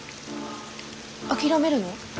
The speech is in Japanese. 諦めるの？